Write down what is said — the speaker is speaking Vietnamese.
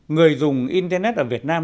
người dùng internet ở việt nam